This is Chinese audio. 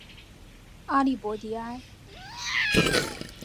阿利博迪埃。